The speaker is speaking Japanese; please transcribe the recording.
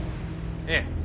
ええ。